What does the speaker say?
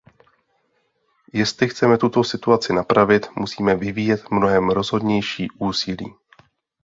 Jestli chceme tuto situaci napravit, musíme vyvíjet mnohem rozhodnější úsilí.